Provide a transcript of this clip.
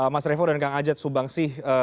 mas revo dan kang ajat subangsi